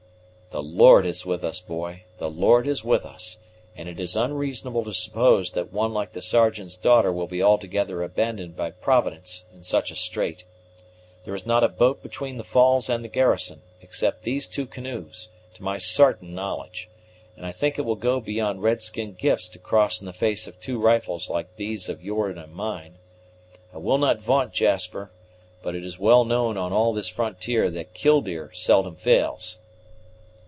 "The Lord is with us, boy, the Lord is with us; and it is unreasonable to suppose that one like the Sergeant's daughter will be altogether abandoned by Providence in such a strait. There is not a boat between the falls and the garrison, except these two canoes, to my sartain knowledge; and I think it will go beyond red skin gifts to cross in the face of two rifles like these of yourn and mine. I will not vaunt, Jasper; but it is well known on all this frontier that Killdeer seldom fails."